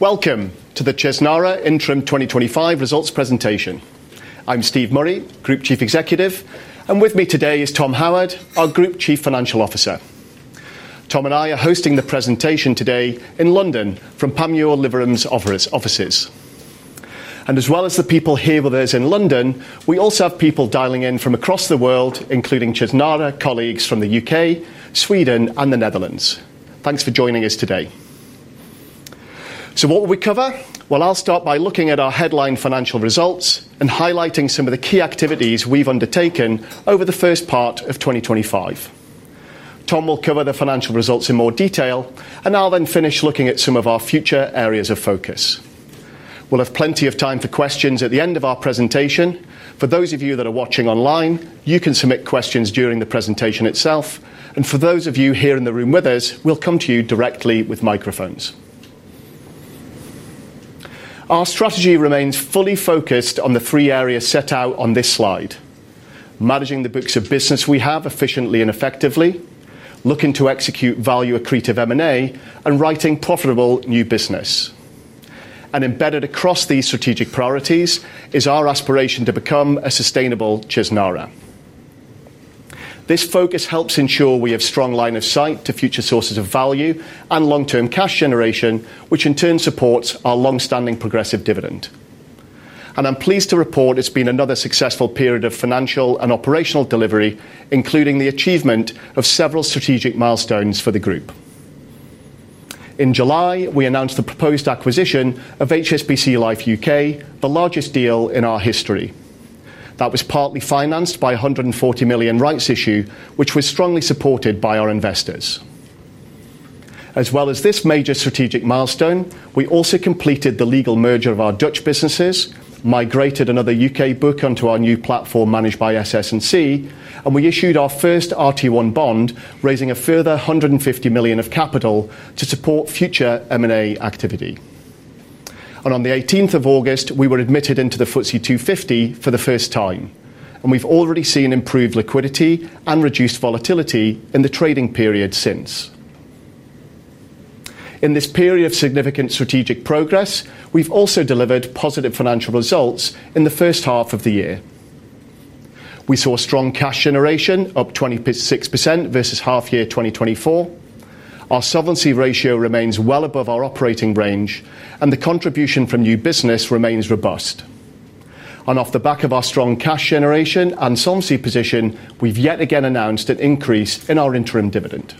Welcome to the Chesnara Interim 2025 Results Presentation. I'm Steve Murray, Group Chief Executive, and with me today is Tom Howard, our Group Chief Financial Officer. Tom and I are hosting the presentation today in London from Panmure Liberum's offices. As well as the people here with us in London, we also have people dialing in from across the world, including Chesnara colleagues from the U.K., Sweden, and the Netherlands. Thanks for joining us today. What will we cover? I'll start by looking at our headline financial results and highlighting some of the key activities we've undertaken over the first part of 2025. Tom will cover the financial results in more detail, and I'll then finish looking at some of our future areas of focus. We'll have plenty of time for questions at the end of our presentation. For those of you that are watching online, you can submit questions during the presentation itself. For those of you here in the room with us, we'll come to you directly with microphones. Our strategy remains fully focused on the three areas set out on this slide: managing the books of business we have efficiently and effectively, looking to execute value-accretive M&A, and writing profitable new business. Embedded across these strategic priorities is our aspiration to become a sustainable Chesnara. This focus helps ensure we have a strong line of sight to future sources of value and long-term cash generation, which in turn supports our long-standing progressive dividend. I'm pleased to report it's been another successful period of financial and operational delivery, including the achievement of several strategic milestones for the group. In July, we announced the proposed acquisition of HSBC Life U.K., the largest deal in our history. That was partly financed by a £140 million rights issue, which was strongly supported by our investors. As well as this major strategic milestone, we also completed the legal merger of our Dutch businesses, migrated another U.K. book onto our new platform managed by SS&C, and we issued our first RT1 bond, raising a further £150 million of capital to support future M&A activity. On the 18th of August, we were admitted into the FTSE250 for the first time, and we've already seen improved liquidity and reduced volatility in the trading period since. In this period of significant strategic progress, we've also delivered positive financial results in the first half of the year. We saw strong cash generation, up 26% versus half-year 2024. Our solvency ratio remains well above our operating range, and the contribution from new business remains robust. Off the back of our strong cash generation and solvency position, we've yet again announced an increase in our interim dividend.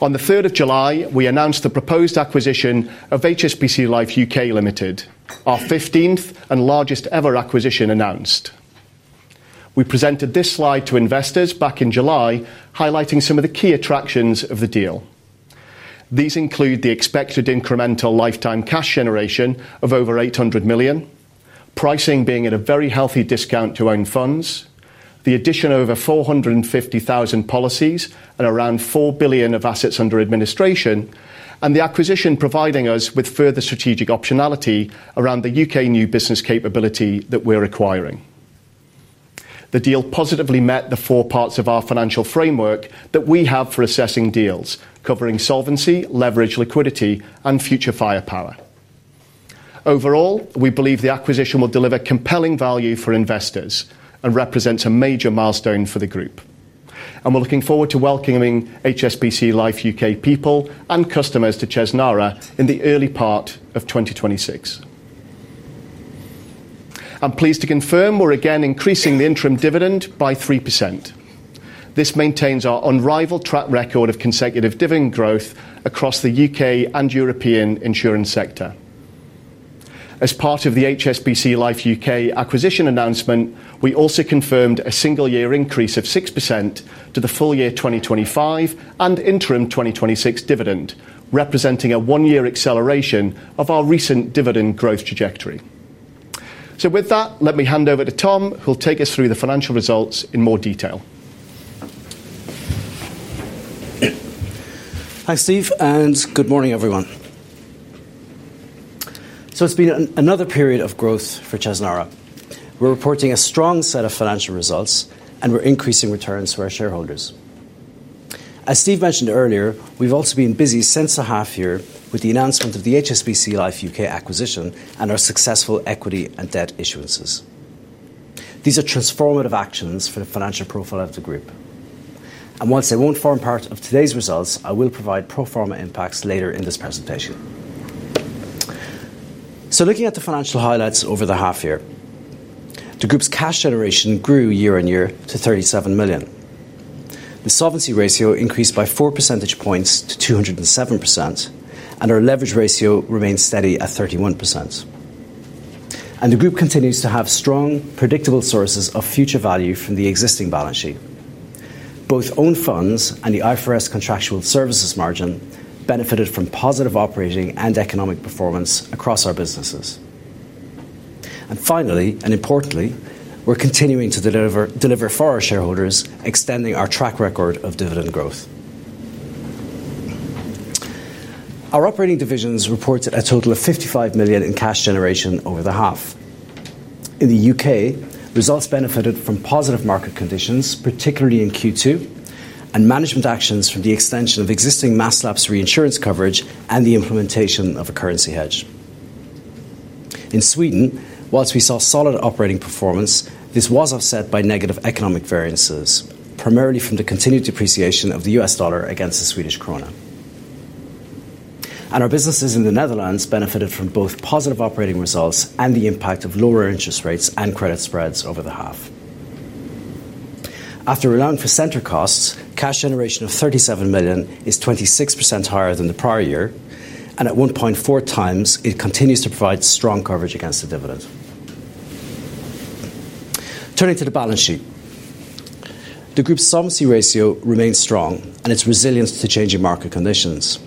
On July 3, we announced the proposed acquisition of HSBC Life U.K. Limited, our 15th and largest ever acquisition announced. We presented this slide to investors back in July, highlighting some of the key attractions of the deal. These include the expected incremental lifetime cash generation of over £800 million, pricing being at a very healthy discount to own funds, the addition of over 450,000 policies and around £4 billion of assets under administration, and the acquisition providing us with further strategic optionality around the U.K. new business capability that we're acquiring. The deal positively met the four parts of our financial framework that we have for assessing deals, covering solvency, leverage, liquidity, and future firepower. Overall, we believe the acquisition will deliver compelling value for investors and represents a major milestone for the group. We are looking forward to welcoming HSBC Life U.K. people and customers to Chesnara in the early part of 2026. I'm pleased to confirm we're again increasing the interim dividend by 3%. This maintains our unrivaled track record of consecutive dividend growth across the U.K. and European insurance sector. As part of the HSBC Life U.K. acquisition announcement, we also confirmed a single-year increase of 6% to the full-year 2025 and interim 2026 dividend, representing a one-year acceleration of our recent dividend growth trajectory. Let me hand over to Tom, who'll take us through the financial results in more detail. Hi, Steve, and good morning, everyone. It's been another period of growth for Chesnara. We're reporting a strong set of financial results, and we're increasing returns for our shareholders. As Steve mentioned earlier, we've also been busy since the half-year with the announcement of the HSBC Life U.K. acquisition and our successful equity and debt issuances. These are transformative actions for the financial profile of the group. While these won't form part of today's results, I will provide pro forma impacts later in this presentation. Looking at the financial highlights over the half-year, the group's cash generation grew year on year to £37 million. The solvency ratio increased by 4 percentage points to 207%, and our leverage ratio remains steady at 31%. The group continues to have strong, predictable sources of future value from the existing balance sheet. Both owned funds and the IFRS contractual services margin benefited from positive operating and economic performance across our businesses. Finally, and importantly, we're continuing to deliver for our shareholders, extending our track record of dividend growth. Our operating divisions reported a total of £55 million in cash generation over the half. In the U.K., results benefited from positive market conditions, particularly in Q2, and management actions from the extension of existing mass lapse reinsurance coverage and the implementation of a currency hedge. In Sweden, while we saw solid operating performance, this was offset by negative economic variances, primarily from the continued depreciation of the U.S. dollar against the Swedish krona. Our businesses in the Netherlands benefited from both positive operating results and the impact of lower interest rates and credit spreads over the half. After allowing for center costs, cash generation of £37 million is 26% higher than the prior year, and at 1.4x, it continues to provide strong coverage against the dividend. Turning to the balance sheet, the Group's solvency ratio remains strong, and it's resilient to changing market conditions.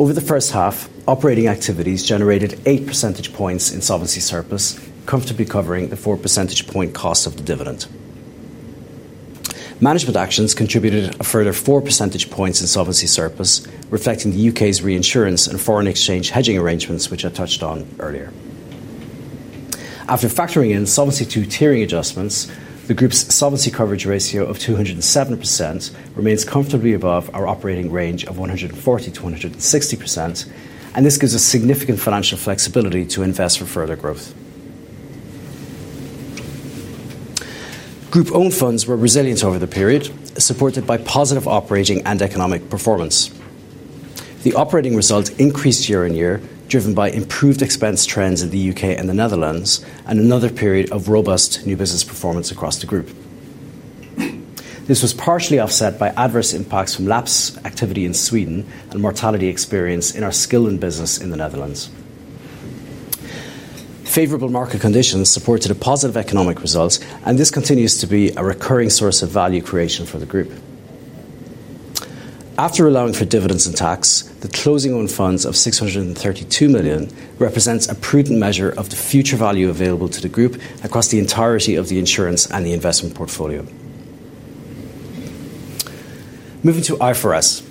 Over the first half, operating activities generated 8% in solvency surplus, comfortably covering the 4 percentage points cost of the dividend. Management actions contributed a further 4 percentage points in solvency surplus, reflecting the U.K.'s reinsurance and foreign exchange hedging arrangements, which I touched on earlier. After factoring in solvency through tiering adjustments, the group's solvency coverage ratio of 207% remains comfortably above our operating range of 140%-160%, and this gives us significant financial flexibility to invest for further growth. Group-owned funds were resilient over the period, supported by positive operating and economic performance. The operating results increased year on year, driven by improved expense trends in the U.K. and the Netherlands, and another period of robust new business performance across the group. This was partially offset by adverse impacts from lapse activity in Sweden and mortality experience in our skilled business in the Netherlands. Favorable market conditions supported positive economic results, and this continues to be a recurring source of value creation for the group. After allowing for dividends and tax, the closing owned funds of £632 million represent a prudent measure of the future value available to the group across the entirety of the insurance and the investment portfolio. Moving to IFRS,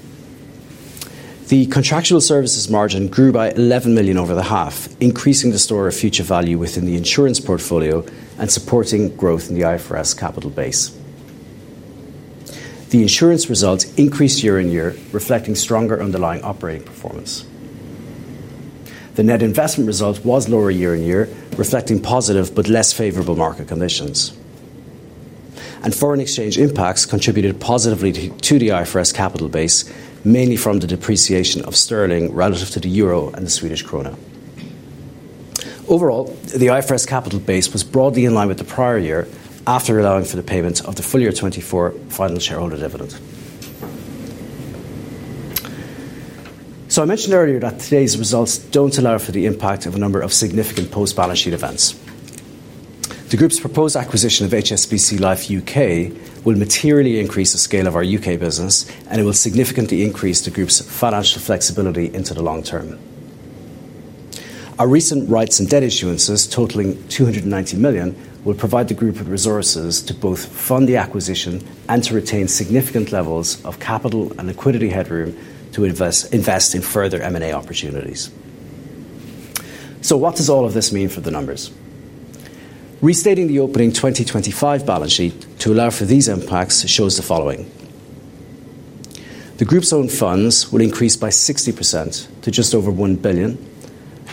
the Contractual Services Margin grew by £11 million over the half, increasing the store of future value within the insurance portfolio and supporting growth in the IFRS capital base. The insurance results increased year on year, reflecting stronger underlying operating performance. The net investment result was lower year on year, reflecting positive but less favorable market conditions. Foreign exchange impacts contributed positively to the IFRS capital base, mainly from the depreciation of sterling relative to the euro and the Swedish krona. Overall, the IFRS capital base was broadly in line with the prior year after allowing for the payment of the full year 2024 final shareholder dividend. I mentioned earlier that today's results don't allow for the impact of a number of significant post-balance sheet events. The group's proposed acquisition of HSBC Life U.K. will materially increase the scale of our U.K. business, and it will significantly increase the group's financial flexibility into the long term. Our recent rights and debt issuances, totaling £290 million, will provide the group with resources to both fund the acquisition and to retain significant levels of capital and liquidity headroom to invest in further M&A opportunities. What does all of this mean for the numbers? Restating the opening 2025 balance sheet to allow for these impacts shows the following. The group's owned funds will increase by 60% to just over £1 billion,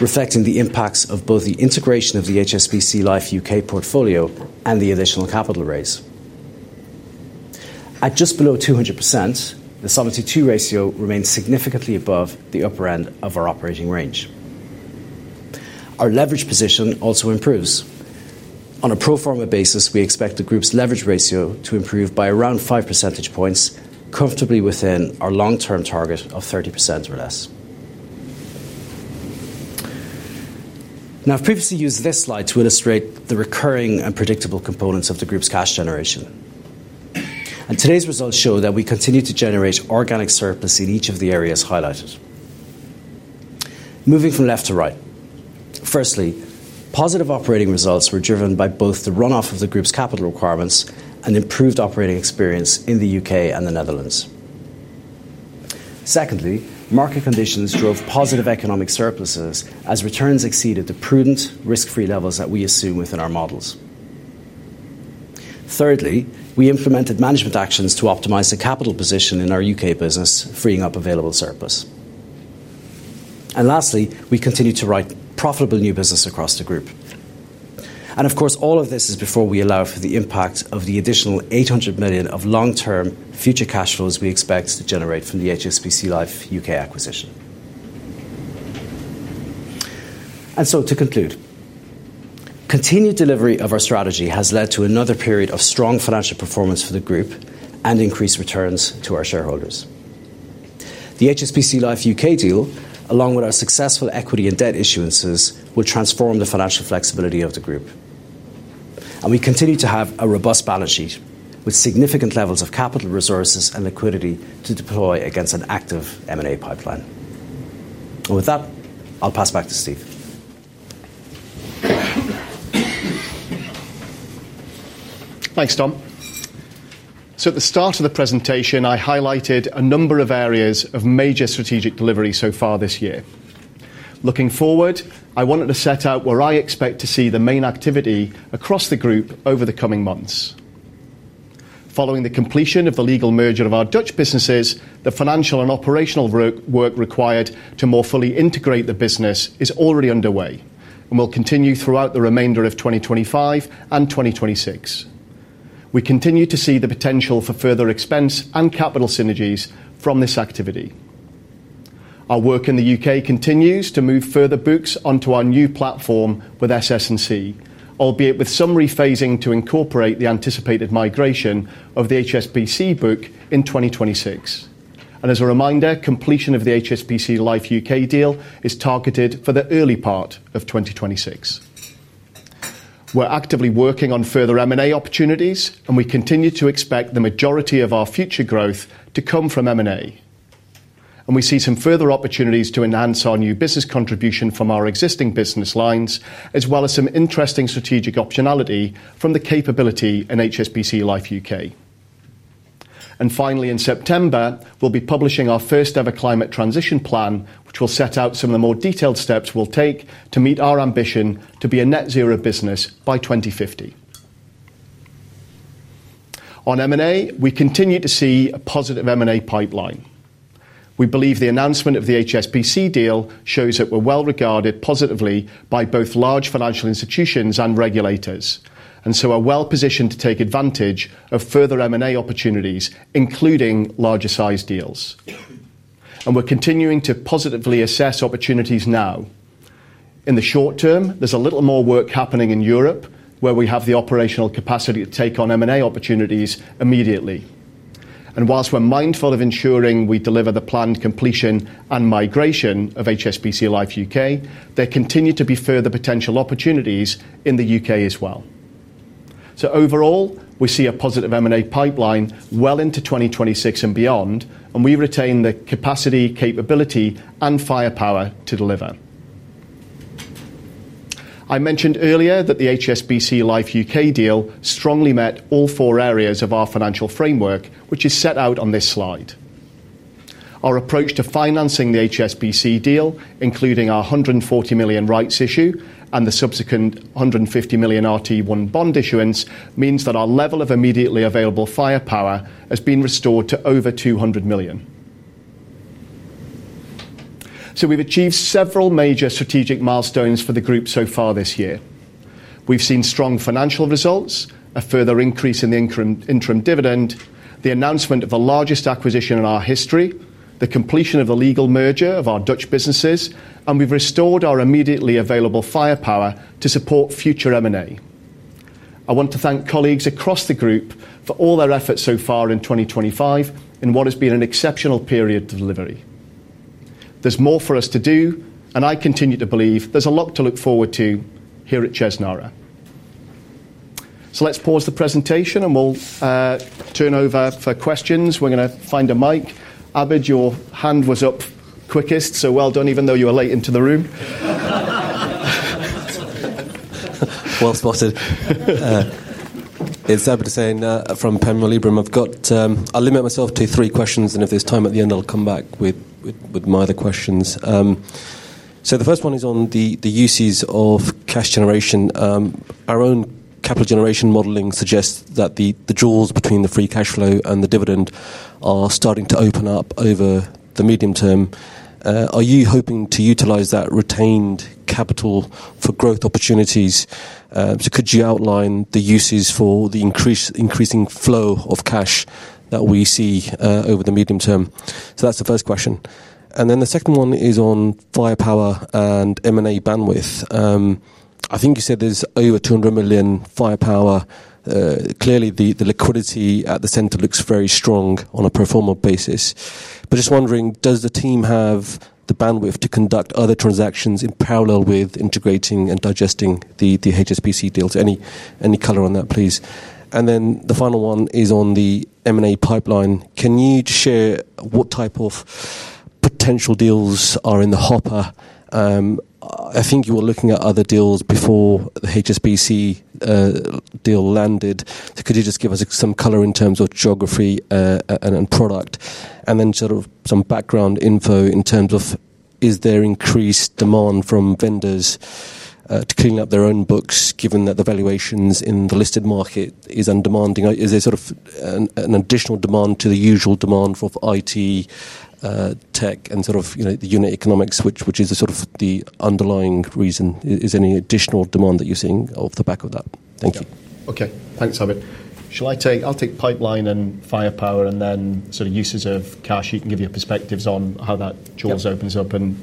reflecting the impacts of both the integration of the HSBC Life U.K. portfolio and the additional capital raise. At just below 200%, the Solvency II ratio remains significantly above the upper end of our operating range. Our leverage position also improves. On a pro forma basis, we expect the group's leverage ratio to improve by around 5 percentage points, comfortably within our long-term target of 30% or less. I've previously used this slide to illustrate the recurring and predictable components of the group's cash generation. Today's results show that we continue to generate organic surplus in each of the areas highlighted. Moving from left to right, firstly, positive operating results were driven by both the runoff of the group's capital requirements and improved operating experience in the U.K. and the Netherlands. Secondly, market conditions drove positive economic surpluses as returns exceeded the prudent, risk-free levels that we assume within our models. Thirdly, we implemented management actions to optimize the capital position in our U.K. business, freeing up available surplus. Lastly, we continue to write profitable new business across the group. All of this is before we allow for the impact of the additional £800 million of long-term future cash flows we expect to generate from the HSBC Life U.K. acquisition. To conclude, continued delivery of our strategy has led to another period of strong financial performance for the group and increased returns to our shareholders. The HSBC Life U.K. deal, along with our successful equity and debt issuances, will transform the financial flexibility of the group. We continue to have a robust balance sheet with significant levels of capital resources and liquidity to deploy against an active M&A pipeline. With that, I'll pass back to Steve. Thanks, Tom. At the start of the presentation, I highlighted a number of areas of major strategic delivery so far this year. Looking forward, I wanted to set out where I expect to see the main activity across the group over the coming months. Following the completion of the legal merger of our Dutch businesses, the financial and operational work required to more fully integrate the business is already underway and will continue throughout the remainder of 2025 and 2026. We continue to see the potential for further expense and capital synergies from this activity. Our work in the UK continues to move further books onto our new platform with SS&C, albeit with some rephasing to incorporate the anticipated migration of the HSBC book in 2026. As a reminder, completion of the HSBC Life U.K. deal is targeted for the early part of 2026. We're actively working on further M&A opportunities, and we continue to expect the majority of our future growth to come from M&A. We see some further opportunities to enhance our new business contribution from our existing business lines, as well as some interesting strategic optionality from the capability in HSBC Life U.K. Finally, in September, we'll be publishing our first-ever climate transition plan, which will set out some of the more detailed steps we'll take to meet our ambition to be a net-zero business by 2050. On M&A, we continue to see a positive M&A pipeline. We believe the announcement of the HSBC deal shows that we're well-regarded positively by both large financial institutions and regulators, and are well-positioned to take advantage of further M&A opportunities, including larger size deals. We're continuing to positively assess opportunities now. In the short term, there's a little more work happening in Europe, where we have the operational capacity to take on M&A opportunities immediately. Whilst we're mindful of ensuring we deliver the planned completion and migration of HSBC Life U.K., there continue to be further potential opportunities in the U.K. as well. Overall, we see a positive M&A pipeline well into 2026 and beyond, and we retain the capacity, capability, and firepower to deliver. I mentioned earlier that the HSBC Life U.K. deal strongly met all four areas of our financial framework, which is set out on this slide. Our approach to financing the HSBC deal, including our £140 million rights issue and the subsequent £150 million RT1 bond issuance, means that our level of immediately available firepower has been restored to over £200 million. We have achieved several major strategic milestones for the group so far this year. We have seen strong financial results, a further increase in the interim dividend, the announcement of the largest acquisition in our history, the completion of the legal merger of our Dutch businesses, and we have restored our immediately available firepower to support future M&A. I want to thank colleagues across the group for all their efforts so far in 2024 in what has been an exceptional period of delivery. There is more for us to do, and I continue to believe there is a lot to look forward to here at Chesnara. Let's pause the presentation, and we will turn over for questions. We are going to find a mic. Abhid, your hand was up quickest, so well done, even though you were late into the room. It's Abid Hussain from Panmure Liberum. I'll limit myself to three questions, and if there's time at the end, I'll come back with my other questions. The first one is on the uses of cash generation. Our own capital generation modeling suggests that the jewels between the free cash flow and the dividend are starting to open up over the medium term. Are you hoping to utilize that retained capital for growth opportunities? Could you outline the uses for the increasing flow of cash that we see over the medium term? That's the first question. The second one is on firepower and M&A bandwidth. I think you said there's over £200 million firepower. Clearly, the liquidity at the center looks very strong on a pro forma basis. Just wondering, does the team have the bandwidth to conduct other transactions in parallel with integrating and digesting the HSBC deal? Any color on that, please? The final one is on the M&A pipeline. Can you just share what type of potential deals are in the hopper? I think you were looking at other deals before the HSBC deal landed. Could you just give us some color in terms of geography and product? Some background info in terms of is there increased demand from vendors to clean up their own books, given that the valuations in the listed market are under demand? Is there an additional demand to the usual demand for IT, tech, and the unit economic switch, which is the underlying reason? Is there any additional demand that you're seeing off the back of that? Thank you. Okay, thanks, Abid. I'll take pipeline and firepower and then sort of uses of cash. You can give your perspectives on how that jaws opens up and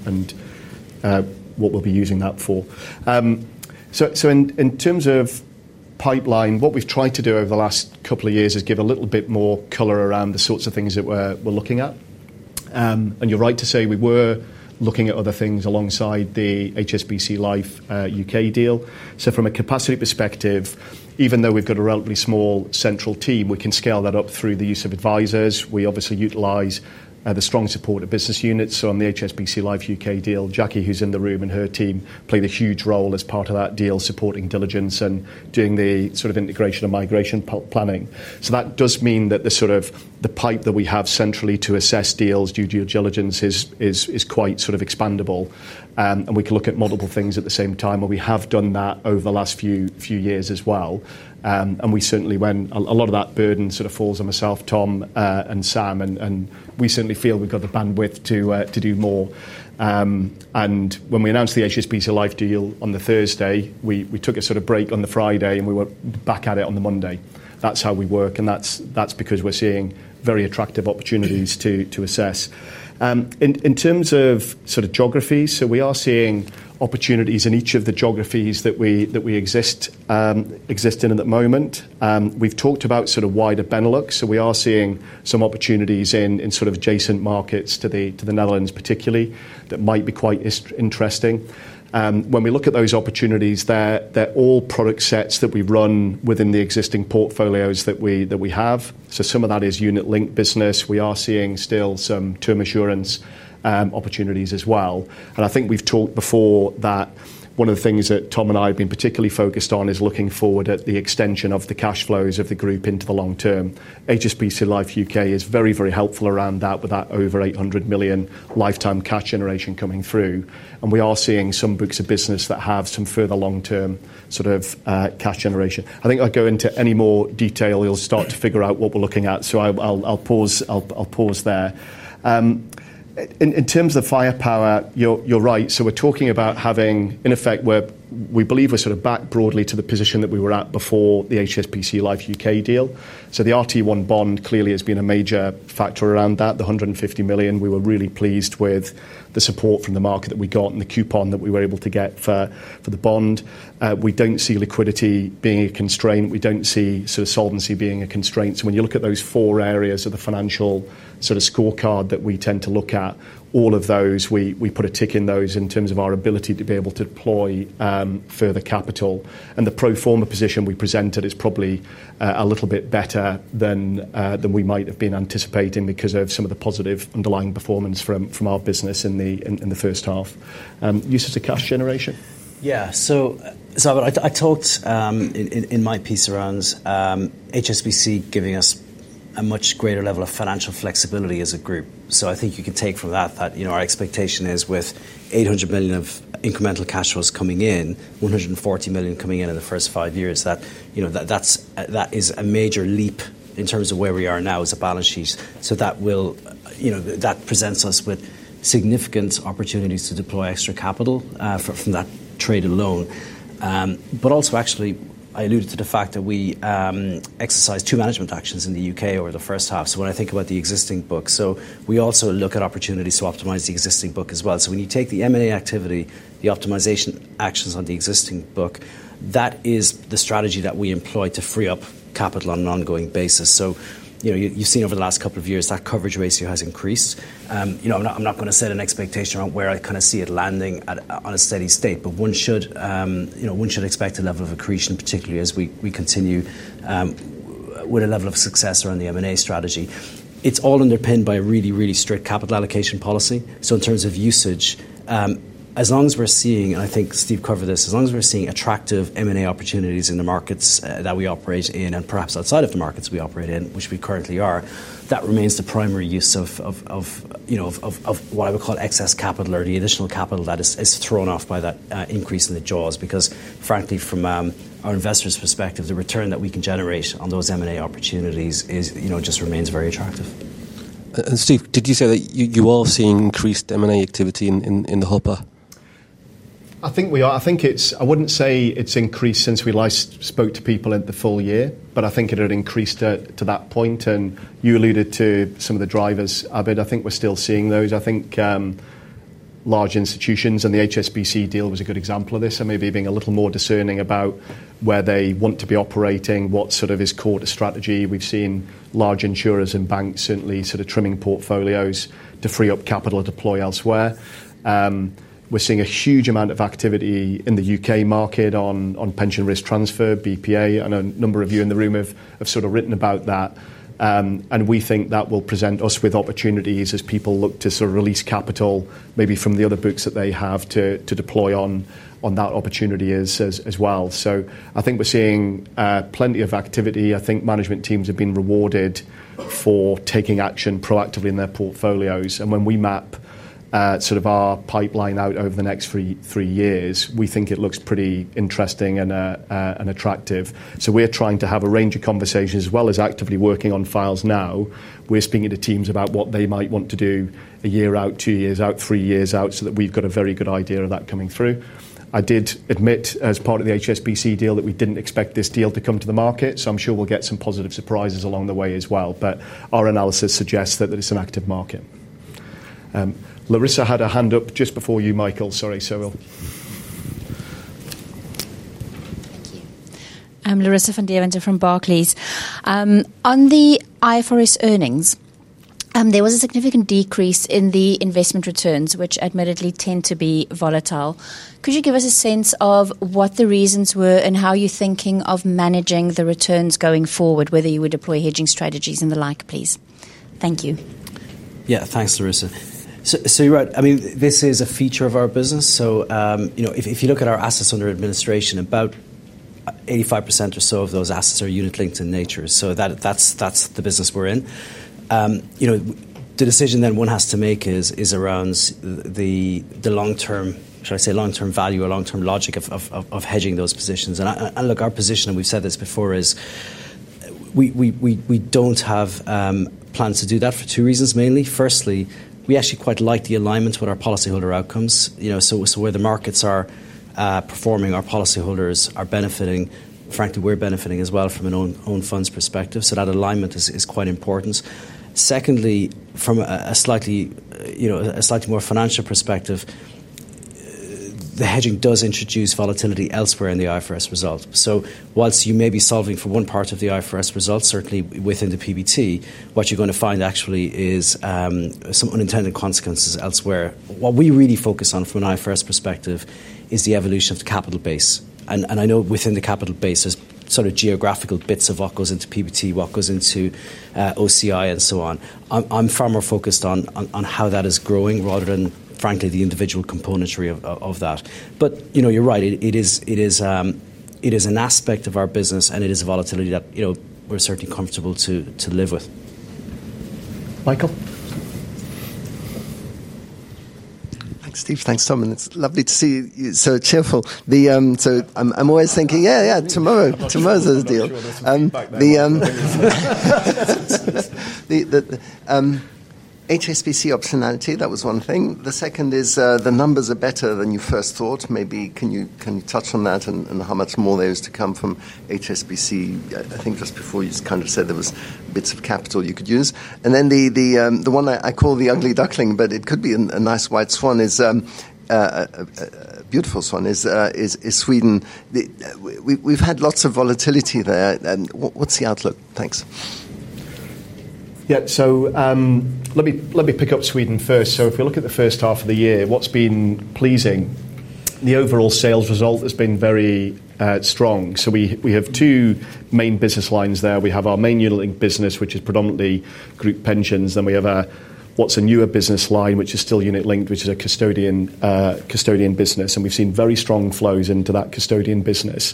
what we'll be using that for. In terms of pipeline, what we've tried to do over the last couple of years is give a little bit more color around the sorts of things that we're looking at. You're right to say we were looking at other things alongside the HSBC Life U.K. deal. From a capacity perspective, even though we've got a relatively small central team, we can scale that up through the use of advisors. We obviously utilize the strong support of business units. On the HSBC Life U.K. deal, Jackie, who's in the room and her team play this huge role as part of that deal, supporting diligence and doing the sort of integration and migration planning. That does mean that the sort of the pipe that we have centrally to assess deals due to your diligence is quite sort of expandable. We can look at multiple things at the same time, and we have done that over the last few years as well. Certainly, when a lot of that burden sort of falls on myself, Tom, and Sam, we certainly feel we've got the bandwidth to do more. When we announced the HSBC Life deal on the Thursday, we took a sort of break on the Friday, and we were back at it on the Monday. That's how we work, and that's because we're seeing very attractive opportunities to assess. In terms of geographies, we are seeing opportunities in each of the geographies that we exist in at the moment. We've talked about wider Benelux, so we are seeing some opportunities in adjacent markets to the Netherlands, particularly, that might be quite interesting. When we look at those opportunities, they're all product sets that we run within the existing portfolios that we have. Some of that is unit-linked business. We are seeing still some term assurance opportunities as well. I think we've talked before that one of the things that Tom and I have been particularly focused on is looking forward at the extension of the cash flows of the group into the long term. HSBC Life U.K. is very, very helpful around that with that over £800 million lifetime cash generation coming through. We are seeing some books of business that have some further long-term sort of cash generation. I think I'll go into any more detail, you'll start to figure out what we're looking at. I'll pause there. In terms of the firepower, you're right. We're talking about having, in effect, we believe we're sort of back broadly to the position that we were at before the HSBC Life U.K. deal. The RT1 bond clearly has been a major factor around that. The £150 million, we were really pleased with the support from the market that we got and the coupon that we were able to get for the bond. We don't see liquidity being a constraint. We don't see solvency being a constraint. When you look at those four areas of the financial sort of scorecard that we tend to look at, all of those, we put a tick in those in terms of our ability to be able to deploy further capital. The pro forma position we presented is probably a little bit better than we might have been anticipating because of some of the positive underlying performance from our business in the first half. Uses of cash generation? Yeah, I talked in my piece around HSBC giving us a much greater level of financial flexibility as a group. I think you can take from that that our expectation is with £800 million of incremental cash flows coming in, £140 million coming in in the first five years, that is a major leap in terms of where we are now as a balance sheet. That presents us with significant opportunities to deploy extra capital from that trade alone. I alluded to the fact that we exercised two management actions in the U.K. over the first half. When I think about the existing book, we also look at opportunities to optimize the existing book as well. When you take the M&A activity, the optimization actions on the existing book, that is the strategy that we employ to free up capital on an ongoing basis. You've seen over the last couple of years that coverage ratio has increased. I'm not going to set an expectation on where I kind of see it landing on a steady state, but one should expect a level of accretion, particularly as we continue with a level of success around the M&A strategy. It's all underpinned by a really, really strict capital allocation policy. In terms of usage, as long as we're seeing, and I think Steve covered this, as long as we're seeing attractive M&A opportunities in the markets that we operate in and perhaps outside of the markets we operate in, which we currently are, that remains the primary use of what I would call excess capital or the additional capital that is thrown off by that increase in the jaws because, frankly, from our investors' perspective, the return that we can generate on those M&A opportunities just remains very attractive. Steve, did you say that you all have seen increased M&A activity in the hopper? I think we are. I think it's, I wouldn't say it's increased since we last spoke to people in the full year, but I think it had increased to that point. You alluded to some of the drivers, Abhid. I think we're still seeing those. I think large institutions and the HSBC deal was a good example of this, maybe being a little more discerning about where they want to be operating, what is core to strategy. We've seen large insurers and banks certainly trimming portfolios to free up capital to deploy elsewhere. We're seeing a huge amount of activity in the U.K. market on pension risk transfer, BPA, and a number of you in the room have written about that. We think that will present us with opportunities as people look to release capital, maybe from the other books that they have to deploy on that opportunity as well. I think we're seeing plenty of activity. I think management teams have been rewarded for taking action proactively in their portfolios. When we map our pipeline out over the next three years, we think it looks pretty interesting and attractive. We're trying to have a range of conversations as well as actively working on files now. We're speaking to teams about what they might want to do a year out, two years out, three years out, so that we've got a very good idea of that coming through. I did admit as part of the HSBC deal that we didn't expect this deal to come to the market, so I'm sure we'll get some positive surprises along the way as well. Our analysis suggests that it's an active market. Larissa had a hand up just before you, Michael. Sorry. Thank you. Larissa from Barclays. On the IFRS earnings, there was a significant decrease in the investment returns, which admittedly tend to be volatile. Could you give us a sense of what the reasons were and how you're thinking of managing the returns going forward, whether you would deploy hedging strategies and the like, please? Thank you. Yeah, thanks, Larissa. You're right. This is a feature of our business. If you look at our assets under administration, about 85% or so of those assets are unit-linked in nature. That's the business we're in. The decision one has to make is around the long-term, should I say long-term value or long-term logic of hedging those positions. Our position, and we've said this before, is we don't have plans to do that for two reasons mainly. Firstly, we actually quite like the alignment with our policyholder outcomes. Where the markets are performing, our policyholders are benefiting. Frankly, we're benefiting as well from an own funds perspective. That alignment is quite important. Secondly, from a slightly more financial perspective, the hedging does introduce volatility elsewhere in the IFRS results. Whilst you may be solving for one part of the IFRS results, certainly within the PBT, what you're going to find is some unintended consequences elsewhere. What we really focus on from an IFRS perspective is the evolution of the capital base. I know within the capital base, there's sort of geographical bits of what goes into PBT, what goes into OCI, and so on. I'm far more focused on how that is growing rather than, frankly, the individual componentry of that. You're right, it is an aspect of our business and it is a volatility that we're certainly comfortable to live with. Michael. Thanks, Steve. Thanks, Tom. It's lovely to see you so cheerful. I'm always thinking, yeah, yeah, tomorrow's deal. The HSBC optionality, that was one thing. The second is the numbers are better than you first thought. Maybe can you touch on that and how much more there is to come from HSBC? Just before, you kind of said there were bits of capital you could use. The one I call the ugly duckling, but it could be a nice white swan, is a beautiful swan, is Sweden. We've had lots of volatility there. What's the outlook? Thanks. Yeah, let me pick up Sweden first. If we look at the first half of the year, what's been pleasing? The overall sales result has been very strong. We have two main business lines there. We have our main unit-linked business, which is predominantly group pensions. Then we have what's a newer business line, which is still unit-linked, which is a custodian business. We've seen very strong flows into that custodian business.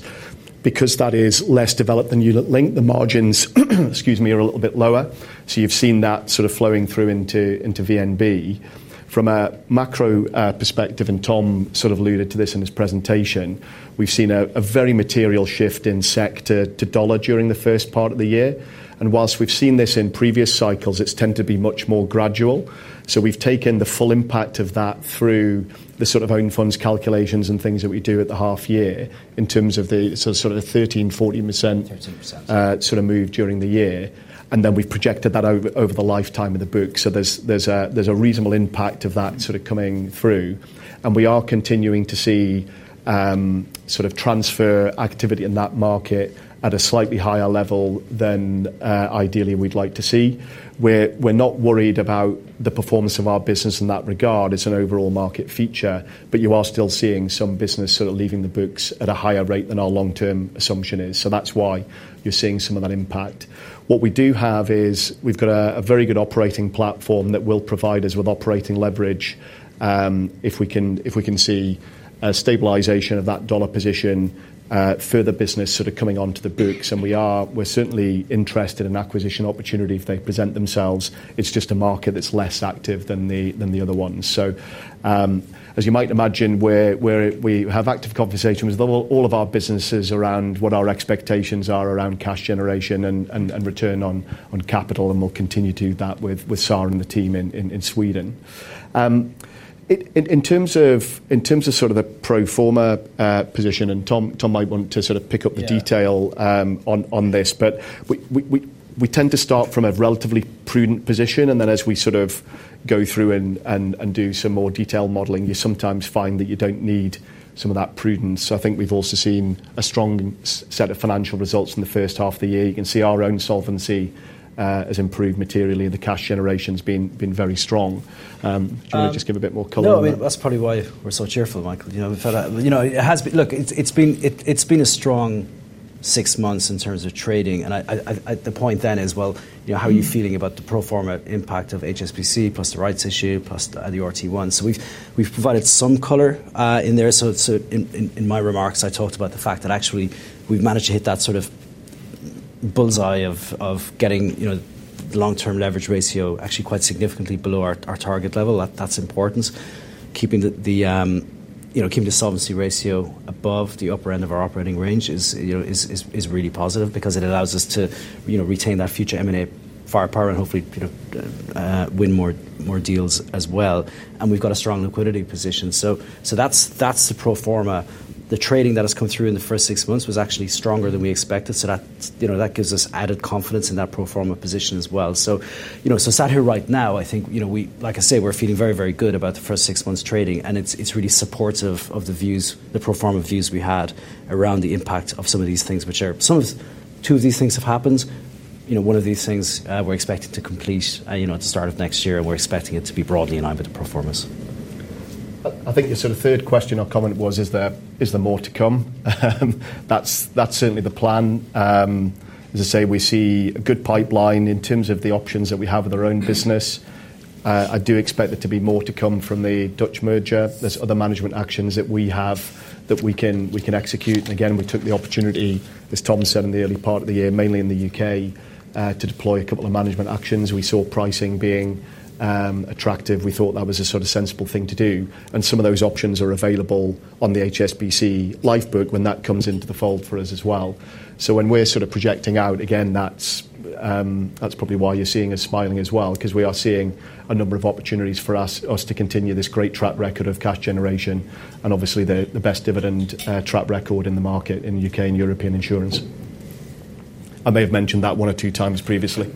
Because that is less developed than unit-linked, the margins are a little bit lower. You've seen that sort of flowing through into VNB. From a macro perspective, and Tom sort of alluded to this in his presentation, we've seen a very material shift in sector to dollar during the first part of the year. Whilst we've seen this in previous cycles, it's tended to be much more gradual. We've taken the full impact of that through the own funds calculations and things that we do at the half year in terms of the 13%, 14% move during the year. We've projected that over the lifetime of the book. There's a reasonable impact of that coming through. We are continuing to see transfer activity in that market at a slightly higher level than ideally we'd like to see. We're not worried about the performance of our business in that regard as an overall market feature, but you are still seeing some business leaving the books at a higher rate than our long-term assumption is. That's why you're seeing some of that impact. What we do have is a very good operating platform that will provide us with operating leverage if we can see a stabilization of that dollar position, further business coming onto the books. We're certainly interested in acquisition opportunity if they present themselves. It's just a market that's less active than the other ones. As you might imagine, we have active conversations with all of our businesses around what our expectations are around cash generation and return on capital, and we'll continue to do that with Sarah and the team in Sweden. In terms of the pro forma position, and Tom might want to pick up the detail on this, we tend to start from a relatively prudent position, and then as we go through and do some more detailed modeling, you sometimes find that you don't need some of that prudence. I think we've also seen a strong set of financial results in the first half of the year. You can see our own solvency has improved materially, and the cash generation's been very strong. Do you want to just give a bit more color? That's probably why we're so cheerful, Michael. You know, it has been, look, it's been a strong six months in terms of trading. The point then is, you know, how are you feeling about the pro forma impact of HSBC plus the rights issue plus the RT1 bond? We've provided some color in there. In my remarks, I talked about the fact that actually we've managed to hit that sort of bull's eye of getting the long-term leverage ratio actually quite significantly below our target level. That's important. Keeping the solvency ratio above the upper end of our operating range is really positive because it allows us to retain that future M&A firepower and hopefully win more deals as well. We've got a strong liquidity position. That's the pro forma. The trading that has come through in the first six months was actually stronger than we expected. That gives us added confidence in that pro forma position as well. Sat here right now, I think, you know, like I say, we're feeling very, very good about the first six months trading. It's really supportive of the views, the pro forma views we had around the impact of some of these things, which are some of two of these things have happened. One of these things we're expected to complete at the start of next year, and we're expecting it to be broadly inhibited performance. I think the sort of third question or comment was, is there more to come? That's certainly the plan. As I say, we see a good pipeline in terms of the options that we have with our own business. I do expect there to be more to come from the Dutch merger. There are other management actions that we have that we can execute. Again, we took the opportunity, as Tom said in the early part of the year, mainly in the U.K., to deploy a couple of management actions. We saw pricing being attractive. We thought that was a sort of sensible thing to do. Some of those options are available on the HSBC Life book when that comes into the fold for us as well. When we're sort of projecting out, that's probably why you're seeing us smiling as well, because we are seeing a number of opportunities for us to continue this great track record of cash generation and obviously the best dividend track record in the market in the U.K. and European insurance. I may have mentioned that one or two times previously.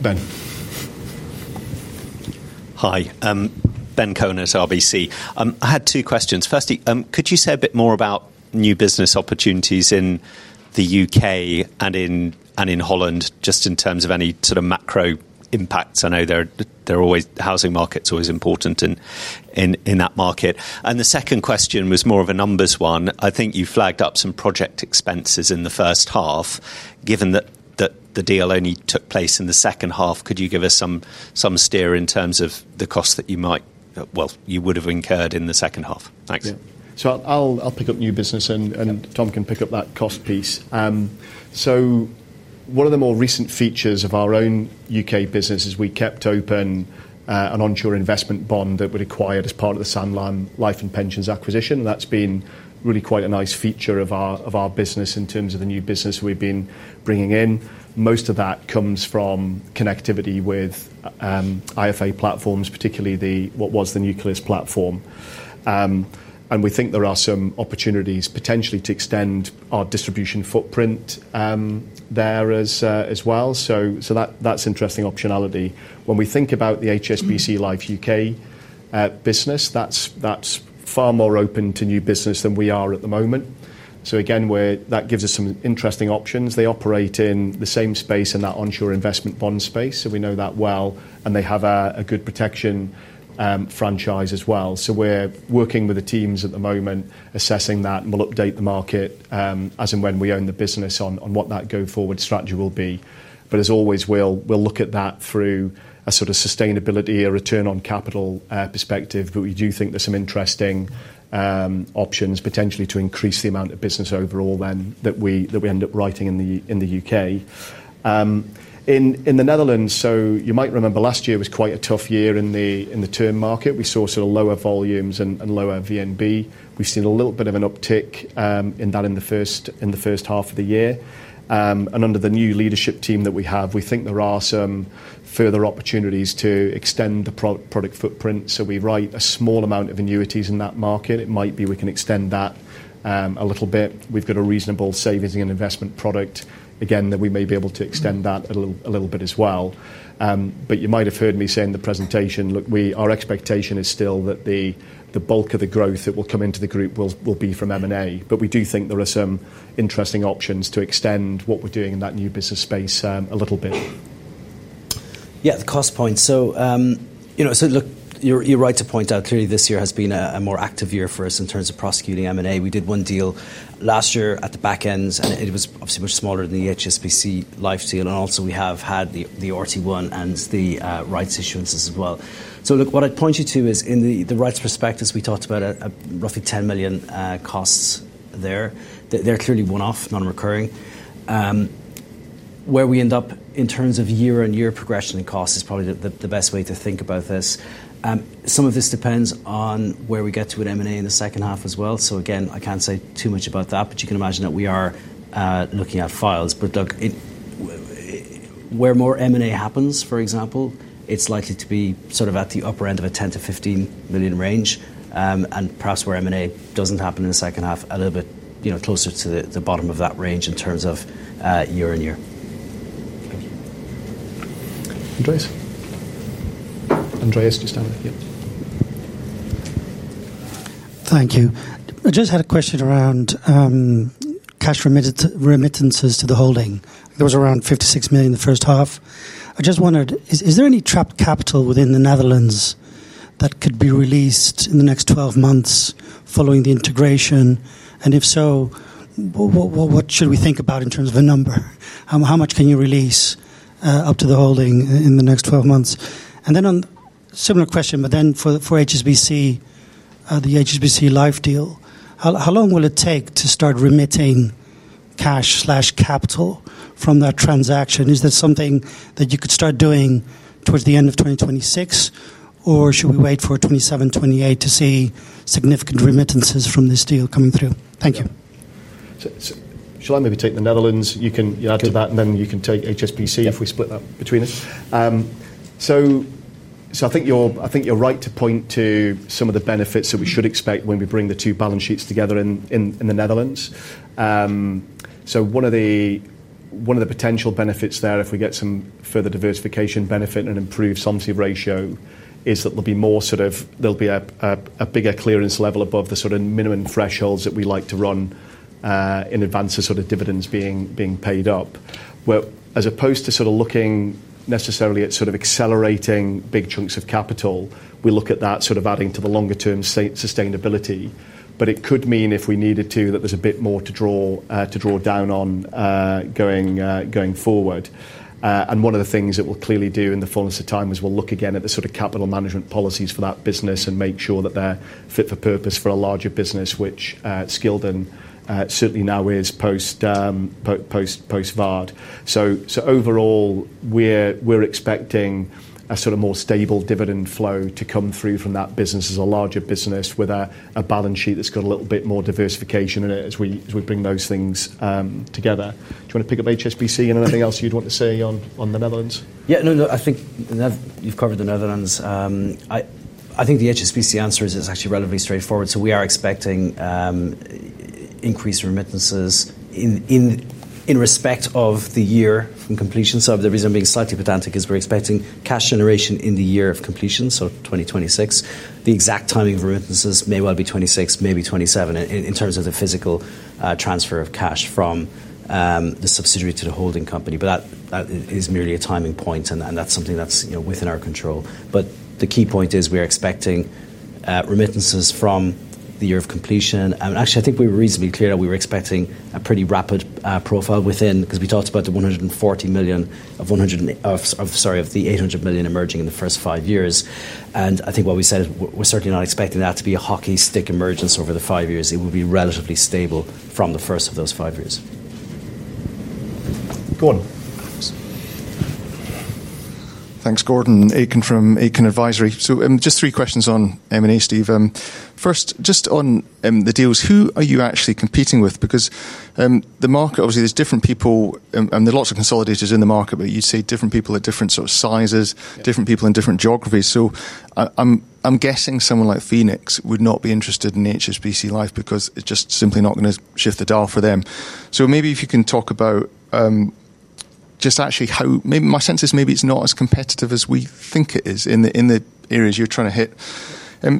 Ben. Hi, Ben Cohen, RBC. I had two questions. Firstly, could you say a bit more about new business opportunities in the UK and in Holland, just in terms of any sort of macro impacts? I know housing markets are always important in that market. The second question was more of a numbers one. I think you flagged up some project expenses in the first half, given that the deal only took place in the second half. Could you give us some steer in terms of the cost that you might, well, you would have incurred in the second half? Thanks. I'll pick up new business and Tom can pick up that cost piece. One of the more recent features of our own U.K. business is we kept open an onshore investment bond that was acquired as part of the Sand Lime Life & Pensions acquisition. That's been really quite a nice feature of our business in terms of the new business we've been bringing in. Most of that comes from connectivity with IFRS platforms, particularly what was the Nucleus platform. We think there are some opportunities potentially to extend our distribution footprint there as well. That's an interesting optionality. When we think about the HSBC Life U.K. business, that's far more open to new business than we are at the moment. That gives us some interesting options. They operate in the same space in that onshore investment bond space. We know that well. They have a good protection franchise as well. We're working with the teams at the moment, assessing that, and we'll update the market as and when we own the business on what that go-forward strategy will be. As always, we'll look at that through a sort of sustainability or return on capital perspective. We do think there's some interesting options potentially to increase the amount of business overall that we end up writing in the U.K.. In the Netherlands, you might remember last year was quite a tough year in the term market. We saw lower volumes and lower VNB. We've seen a little bit of an uptick in that in the first half of the year. Under the new leadership team that we have, we think there are some further opportunities to extend the product footprint. We write a small amount of annuities in that market. It might be we can extend that a little bit. We've got a reasonable savings and investment product that we may be able to extend a little bit as well. You might have heard me say in the presentation, our expectation is still that the bulk of the growth that will come into the group will be from M&A. We do think there are some interesting options to extend what we're doing in that new business space a little bit. Yeah, the cost point. You're right to point out clearly this year has been a more active year for us in terms of prosecuting M&A. We did one deal last year at the back end, and it was obviously much smaller than the HSBC Life deal. We have had the RT1 and the rights issuances as well. What I'd point you to is in the rights perspective, as we talked about, roughly £10 million costs there. They're clearly one-off, non-recurring. Where we end up in terms of year-on-year progression in cost is probably the best way to think about this. Some of this depends on where we get to in M&A in the second half as well. I can't say too much about that, but you can imagine that we are looking at files. Where more M&A happens, for example, it's likely to be at the upper end of a £10 to £15 million range. Perhaps where M&A doesn't happen in the second half, a little bit closer to the bottom of that range in terms of year-on-year. Andreas, do you stand with it yet? Thank you. I just had a question around cash remittances to the holding. There was around £56 million in the first half. I just wondered, is there any trapped capital within the Netherlands that could be released in the next 12 months following the integration? If so, what should we think about in terms of a number? How much can you release up to the holding in the next 12 months? On a similar question, for HSBC, the HSBC Life deal, how long will it take to start remitting cash/capital from that transaction? Is there something that you could start doing towards the end of 2026, or should we wait for 2027, 2028 to see significant remittances from this deal coming through? Thank you. Shall I maybe take the Netherlands? You can add to that, and then you can take HSBC if we split that between us. I think you're right to point to some of the benefits that we should expect when we bring the two balance sheets together in the Netherlands. One of the potential benefits there, if we get some further diversification benefit and an improved solvency ratio, is that there will be a bigger clearance level above the minimum thresholds that we like to run in advance of dividends being paid up. As opposed to looking necessarily at accelerating big chunks of capital, we look at that as adding to the longer-term sustainability. It could mean if we needed to, that there's a bit more to draw down on going forward. One of the things that we'll clearly do in the fullness of time is look again at the capital management policies for that business and make sure that they're fit for purpose for a larger business, which Skilden certainly now is post-VARD. Overall, we're expecting a more stable dividend flow to come through from that business as a larger business with a balance sheet that's got a little bit more diversification in it as we bring those things together. Do you want to pick up HSBC and anything else you'd want to say on the Netherlands? Yeah, no, I think you've covered the Netherlands. I think the HSBC answer is it's actually relatively straightforward. We are expecting increased remittances in respect of the year in completion. The reason I'm being slightly pedantic is we're expecting cash generation in the year of completion, so 2026. The exact timing of remittances may well be 2026, maybe 2027, in terms of the physical transfer of cash from the subsidiary to the holding company. That is merely a timing point, and that's something that's within our control. The key point is we're expecting remittances from the year of completion. I think we were reasonably clear that we were expecting a pretty rapid profile within, because we talked about the £140 million of, sorry, of the £800 million emerging in the first five years. I think what we said is we're certainly not expecting that to be a hockey stick emergence over the five years. It will be relatively stable from the first of those five years. Gordon. Thanks, Gordon. Aitken from Aitken Advisory. Just three questions on M&A, Steve. First, just on the deals, who are you actually competing with? The market, obviously, there's different people, and there are lots of consolidators in the market, but you'd say different people at different sort of sizes, different people in different geographies. I'm guessing someone like Phoenix would not be interested in HSBC Lifebecause it's just simply not going to shift the dial for them. Maybe you can talk about just actually how, maybe my sense is maybe it's not as competitive as we think it is in the areas you're trying to hit.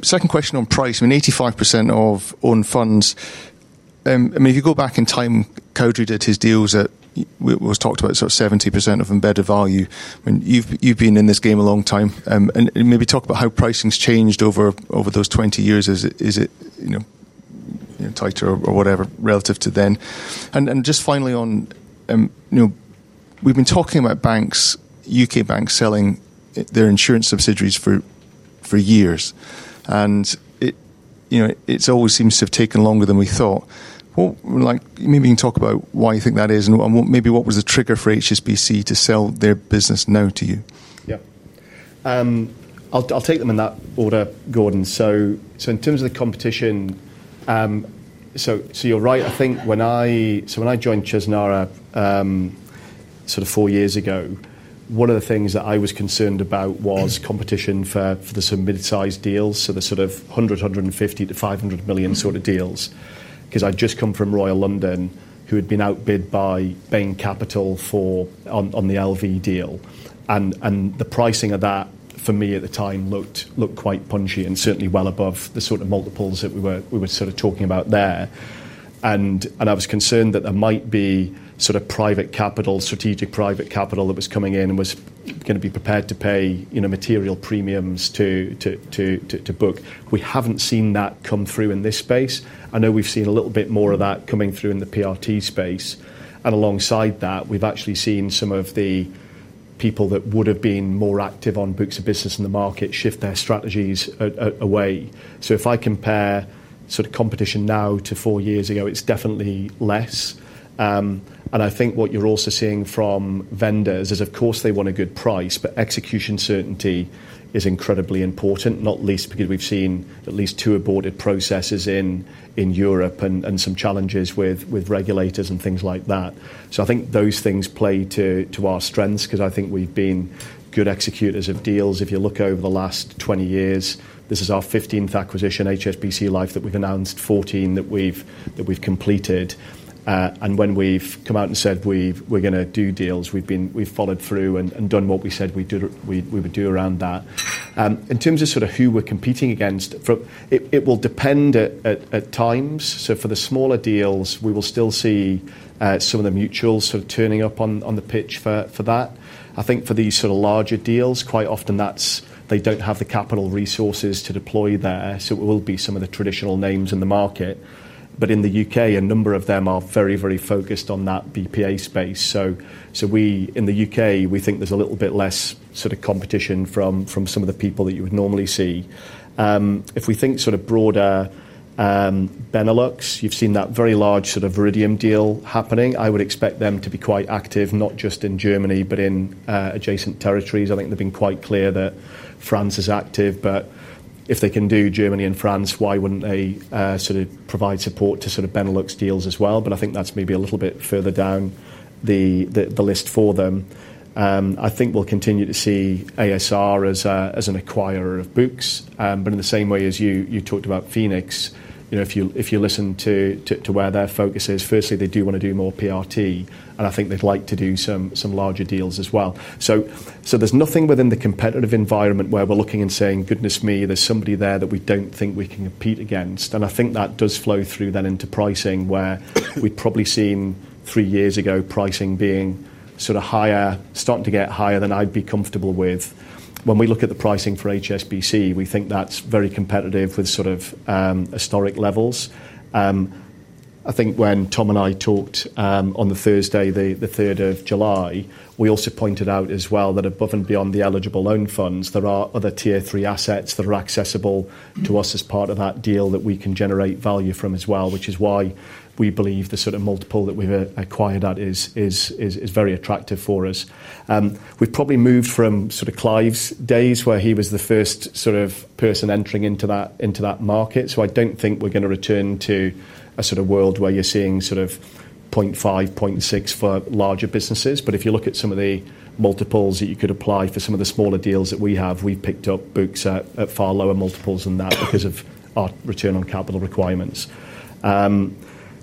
Second question on price. I mean, 85% of own funds. If you go back in time, Codry did his deals at, it was talked about sort of 70% of embedded value. You've been in this game a long time. Maybe talk about how pricing's changed over those 20 years. Is it tighter or whatever relative to then? Finally, we've been talking about banks, U.K. banks selling their insurance subsidiaries for years. It always seems to have taken longer than we thought. Maybe you can talk about why you think that is and what was the trigger for HSBC to sell their business now to you. Yeah. I'll take them in that order, Gordon. In terms of the competition, you're right. I think when I joined Chesnara sort of four years ago, one of the things that I was concerned about was competition for the sort of mid-sized deals, the sort of £100 illion, £150 million to £500 million sort of deals, because I'd just come from Royal London, who had been outbid by Bain Capital for the LV deal. The pricing of that for me at the time looked quite punchy and certainly well above the sort of multiples that we were talking about there. I was concerned that there might be private capital, strategic private capital that was coming in and was going to be prepared to pay material premiums to book. We haven't seen that come through in this space. I know we've seen a little bit more of that coming through in the PRT space. Alongside that, we've actually seen some of the people that would have been more active on books of business in the market shift their strategies away. If I compare competition now to four years ago, it's definitely less. I think what you're also seeing from vendors is, of course, they want a good price, but execution certainty is incredibly important, not least because we've seen at least two aborted processes in Europe and some challenges with regulators and things like that. I think those things play to our strengths because I think we've been good executors of deals. If you look over the last 20 years, this is our 15th acquisition, HSBC Life, that we've announced, 14 that we've completed. When we've come out and said we're going to do deals, we've followed through and done what we said we would do around that. In terms of who we're competing against, it will depend at times. For the smaller deals, we will still see some of the mutuals turning up on the pitch for that. I think for these larger deals, quite often they don't have the capital resources to deploy there. It will be some of the traditional names in the market. In the U.K., a number of them are very, very focused on that BPA space. In the U.K., we think there's a little bit less competition from some of the people that you would normally see. If we think broader Benelux, you've seen that very large Iridium deal happening. I would expect them to be quite active, not just in Germany, but in adjacent territories. I think they've been quite clear that France is active. If they can do Germany and France, why wouldn't they provide support to Benelux deals as well? I think that's maybe a little bit further down the list for them. I think we'll continue to see ASR as an acquirer of books. In the same way as you talked about Phoenix, if you listen to where their focus is, firstly, they do want to do more PRT. I think they'd like to do some larger deals as well. There's nothing within the competitive environment where we're looking and saying, "Goodness me, there's somebody there that we don't think we can compete against." I think that does flow through then into pricing where we'd probably seen three years ago pricing being higher, starting to get higher than I'd be comfortable with. When we look at the pricing for HSBC, we think that's very competitive with historic levels. I think when Tom and I talked on the Thursday, the 3rd of July, we also pointed out that above and beyond the eligible loan funds, there are other tier three assets that are accessible to us as part of that deal that we can generate value from as well, which is why we believe the multiple that we've acquired at is very attractive for us. We've probably moved from Clive's days where he was the first person entering into that market. I don't think we're going to return to a world where you're seeing 0.5, 0.6 for larger businesses. If you look at some of the multiples that you could apply for some of the smaller deals that we have, we've picked up books at far lower multiples than that because of our return on capital requirements.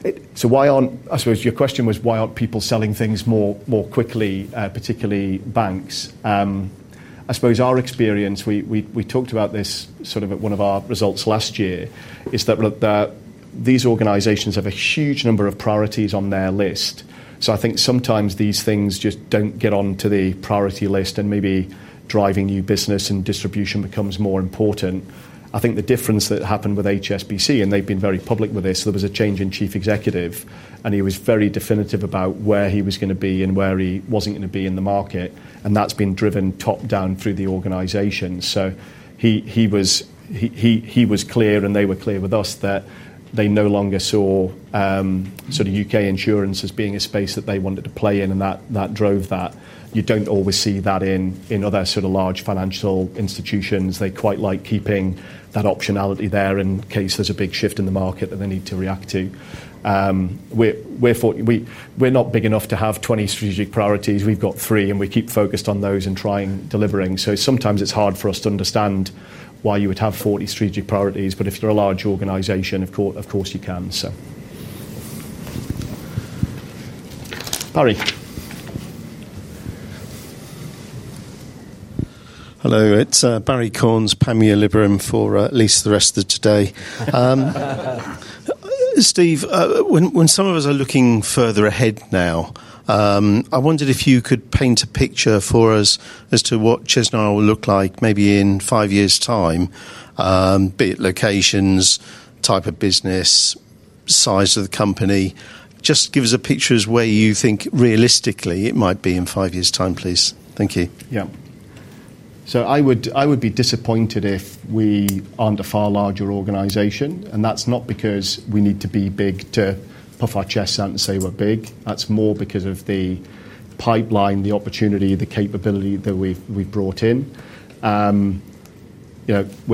Your question was, why aren't people selling things more quickly, particularly banks? I suppose our experience, we talked about this at one of our results last year, is that these organizations have a huge number of priorities on their list. I think sometimes these things just don't get onto the priority list and maybe driving new business and distribution becomes more important. I think the difference that happened with HSBC, and they've been very public with this, there was a change in Chief Executive, and he was very definitive about where he was going to be and where he wasn't going to be in the market. That's been driven top down through the organization. He was clear, and they were clear with us that they no longer saw U.K. insurance as being a space that they wanted to play in, and that drove that. You don't always see that in other large financial institutions. They quite like keeping that optionality there in case there's a big shift in the market that they need to react to. We're not big enough to have 20 strategic priorities. We've got three, and we keep focused on those and trying delivering. Sometimes it's hard for us to understand why you would have 40 strategic priorities, but if they're a large organization, of course, you can. Barrie. Hello, it's Barrie Cornes, Samuel Liverham for at least the rest of today. Steve, when some of us are looking further ahead now, I wondered if you could paint a picture for us as to what Chesnara will look like maybe in five years' time, be it locations, type of business, size of the company. Just give us a picture of where you think realistically it might be in five years' time, please. Thank you. Yeah. I would be disappointed if we aren't a far larger organization, and that's not because we need to be big to puff our chests out and say we're big. That's more because of the pipeline, the opportunity, the capability that we've brought in. We're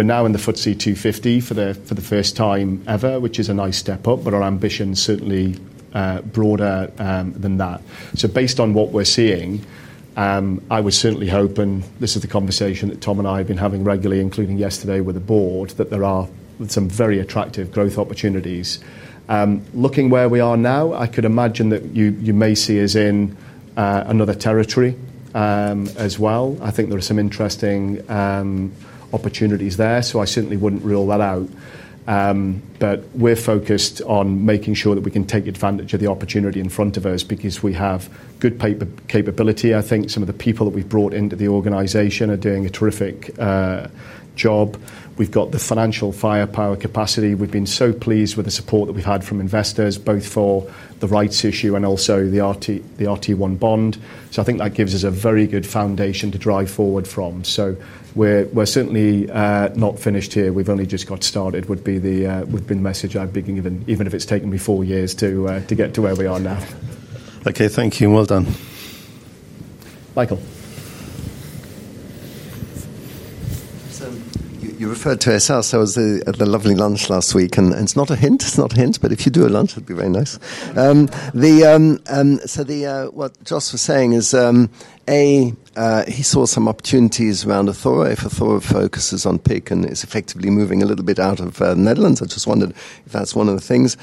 now in the FTSE250 for the first time ever, which is a nice step up, but our ambition is certainly broader than that. Based on what we're seeing, I was certainly hoping, this is the conversation that Tom and I have been having regularly, including yesterday with the board, that there are some very attractive growth opportunities. Looking where we are now, I could imagine that you may see us in another territory as well. I think there are some interesting opportunities there, so I certainly wouldn't rule that out. We're focused on making sure that we can take advantage of the opportunity in front of us because we have good capability. I think some of the people that we've brought into the organization are doing a terrific job. We've got the financial firepower capacity. We've been so pleased with the support that we've had from investors, both for the rights issue and also the RT1 bond. I think that gives us a very good foundation to drive forward from. We're certainly not finished here. We've only just got started, would be the message I'd begin, even if it's taken me four years to get to where we are now. Okay, thank you and well done. Michael. You referred to SL, so it was a lovely lunch last week, and it's not a hint, it's not a hint, but if you do a lunch, it'd be very nice. What Jos was saying is, A, he saw some opportunities around Athora. If Athora focuses on PIC and is effectively moving a little bit out of the Netherlands, I just wondered if that's one of the things.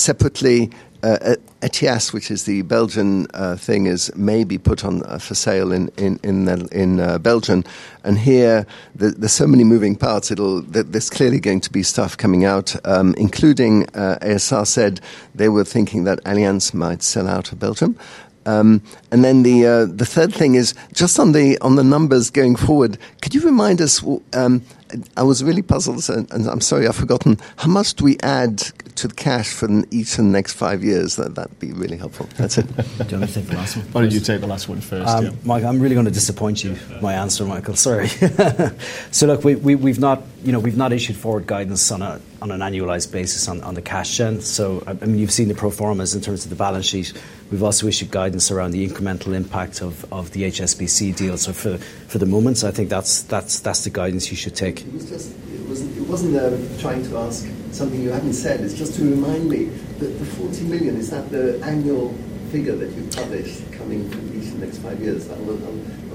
Separately, Etias, which is the Belgian thing, may be put on for sale in Belgium. There are so many moving parts. There is clearly going to be stuff coming out, including ASR said they were thinking that Allianz might sell out of Belgium. The third thing is, just on the numbers going forward, could you remind us, I was really puzzled, and I'm sorry I've forgotten, how much do we add to the cash for ETIAS in the next five years? That'd be really helpful. Do you want me to take the last one? Why don't you take the last one first? Yeah, Mike, I'm really going to disappoint you, my answer, Michael. Sorry. Look, we've not issued forward guidance on an annualized basis on the cash gen. I mean, you've seen the pro forma in terms of the balance sheet. We've also issued guidance around the incremental impact of the HSBC deal. For the moment, I think that's the guidance you should take. It wasn't trying to ask something you haven't said. It's just to remind me that the £40 million, is that the annual figure that you've published coming to me for the next five years?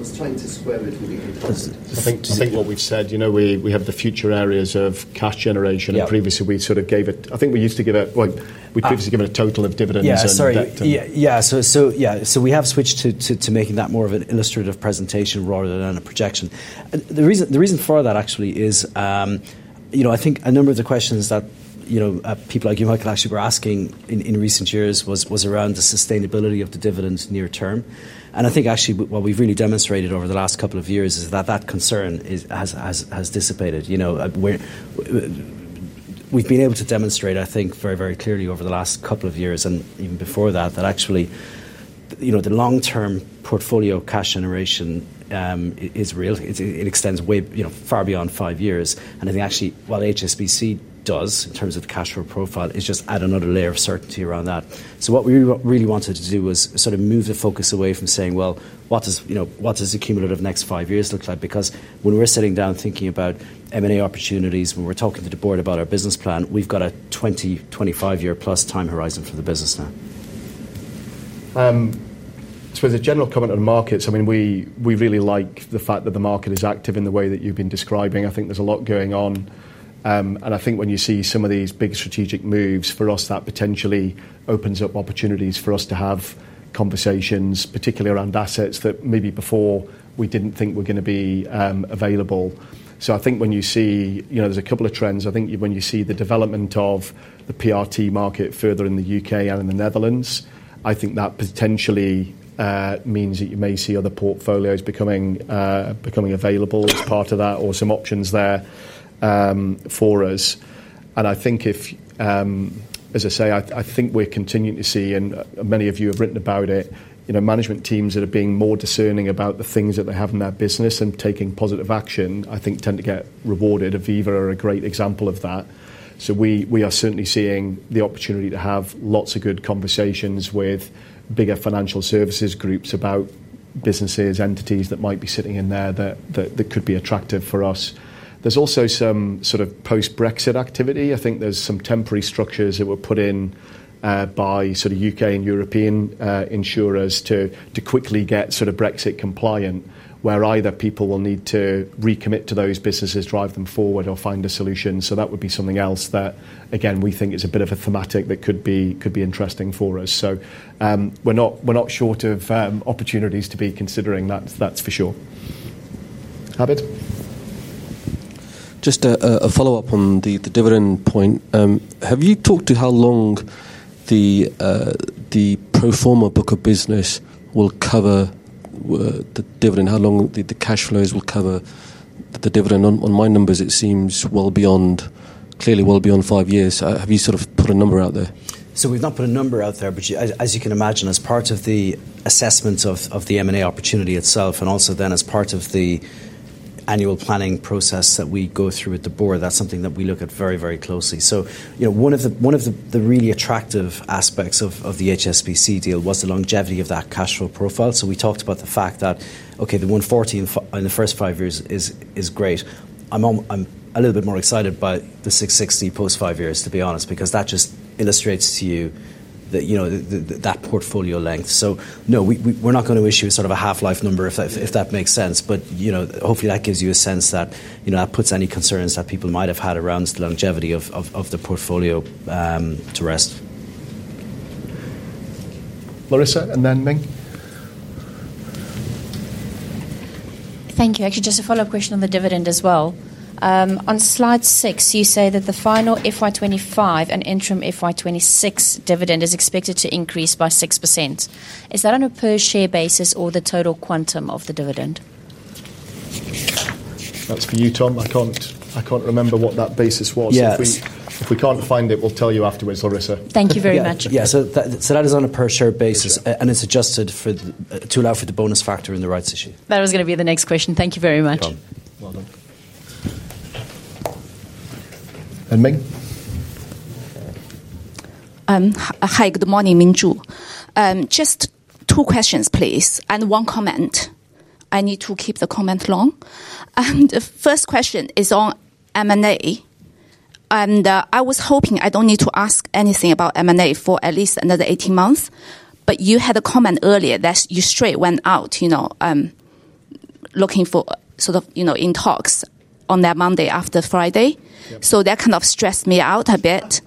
I was trying to swear it really impossible. I think to say what we've said, we have the future areas of cash generation. Previously, we sort of gave it, I think we used to give it, we'd previously given a total of dividends. Yeah, sorry. We have switched to making that more of an illustrative presentation rather than a projection. The reason for that actually is, I think a number of the questions that people like you, Michael, actually were asking in recent years was around the sustainability of the dividend near term. I think actually what we've really demonstrated over the last couple of years is that that concern has dissipated. We've been able to demonstrate, I think, very, very clearly over the last couple of years and even before that, that actually the long-term portfolio cash generation is real. It extends way, far beyond five years. I think actually, while HSBC does in terms of the cash flow profile, it's just added another layer of certainty around that. What we really wanted to do was sort of move the focus away from saying, what does the cumulative next five years look like? Because when we're sitting down thinking about M&A opportunities, when we're talking to the board about our business plan, we've got a 20, 25-year plus time horizon for the business now. I suppose a general comment on markets. We really like the fact that the market is active in the way that you've been describing. I think there's a lot going on. I think when you see some of these big strategic moves for us, that potentially opens up opportunities for us to have conversations, particularly around assets that maybe before we didn't think were going to be available. I think when you see, you know, there's a couple of trends. I think when you see the development of the PRT market further in the U.K. and in the Netherlands, I think that potentially means that you may see other portfolios becoming available as part of that or some options there for us. I think we're continuing to see, and many of you have written about it, management teams that are being more discerning about the things that they have in their business and taking positive action, I think, tend to get rewarded. Aviva are a great example of that. We are certainly seeing the opportunity to have lots of good conversations with bigger financial services groups about businesses, entities that might be sitting in there that could be attractive for us. There's also some sort of post-Brexit activity. I think there's some temporary structures that were put in by UK and European insurers to quickly get Brexit compliant, where either people will need to recommit to those businesses, drive them forward, or find a solution. That would be something else that, again, we think is a bit of a thematic that could be interesting for us. We're not short of opportunities to be considering. That's for sure. Habib. Just a follow-up on the dividend point. Have you talked to how long the pro forma book of business will cover the dividend? How long the cash flows will cover the dividend? On my numbers, it seems well beyond, clearly well beyond five years. Have you sort of put a number out there? We've not put a number out there, but as you can imagine, as part of the assessment of the M&A opportunity itself, and also then as part of the annual planning process that we go through with the board, that's something that we look at very, very closely. One of the really attractive aspects of the HSBC deal was the longevity of that cash flow profile. We talked about the fact that, okay, the £140 million in the first five years is great. I'm a little bit more excited by the £660 million post-five years, to be honest, because that just illustrates to you that portfolio length. No, we're not going to issue a sort of a half-life number, if that makes sense, but hopefully that gives you a sense that puts any concerns that people might have had around the longevity of the portfolio to rest. Larissa, and then Ming. Thank you. Actually, just a follow-up question on the dividend as well. On slide 6, you say that the final FY 2025 and interim FY 2026 dividend is expected to increase by 6%. Is that on a per-share basis or the total quantum of the dividend? That's for you, Tom. I can't remember what that basis was. If we can't find it, we'll tell you afterwards, Larissa. Thank you very much. Yeah, so that is on a per-share basis, and it's adjusted to allow for the bonus factor in the rights issue. That was going to be the next question. Thank you very much. Well done. Ming? Hi, good morning, Ming Zhu. Just two questions, please, and one comment. I need to keep the comment long. The first question is on M&A. I was hoping I don't need to ask anything about M&A for at least another 18 months, but you had a comment earlier that you straight went out, you know, looking for sort of, you know, in talks on that Monday after Friday. That kind of stressed me out a bit.